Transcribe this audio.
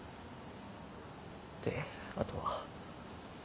であとは。